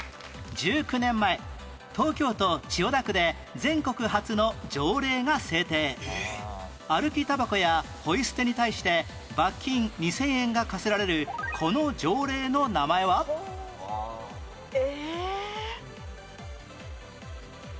１９年前東京都千代田区で歩きたばこやポイ捨てに対して罰金２０００円が科せられるこの条例の名前は？え？